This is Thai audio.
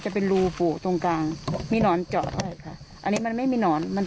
จะเป็นรูโผล่ตรงกลางมีหนอนเจาะใช่ค่ะอันนี้มันไม่มีหนอนมัน